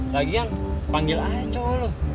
lagi kan panggil aja cowok lu